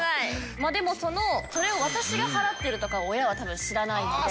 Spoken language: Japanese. まあでもそのそれを私が払ってるとかは親は多分知らないので。